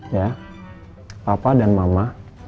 ya papa dan mama